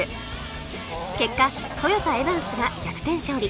結果トヨタエバンスが逆転勝利